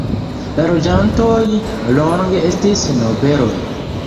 La loĝantoj longe estis nobeloj.